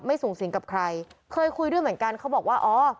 สูงสิงกับใครเคยคุยด้วยเหมือนกันเขาบอกว่าอ๋อ